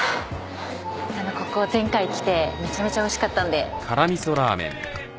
ここ前回来てめちゃめちゃおいしかったんで。